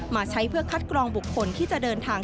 มาใช้เพื่อคัดกรองบุคคลที่จะเดินทาง